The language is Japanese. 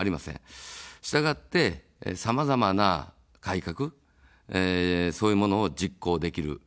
したがって、さまざまな改革、そういうものを実行できる。